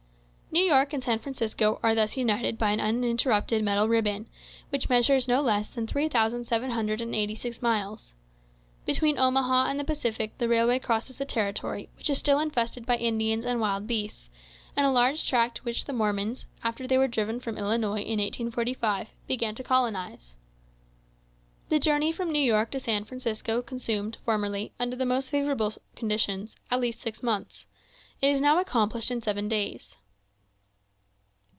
New York and San Francisco are thus united by an uninterrupted metal ribbon, which measures no less than three thousand seven hundred and eighty six miles. Between Omaha and the Pacific the railway crosses a territory which is still infested by Indians and wild beasts, and a large tract which the Mormons, after they were driven from Illinois in 1845, began to colonise. The journey from New York to San Francisco consumed, formerly, under the most favourable conditions, at least six months. It is now accomplished in seven days.